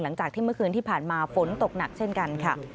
หลังจากที่เมื่อคืนที่ผ่านมาฝนตกหนักเช่นกันค่ะ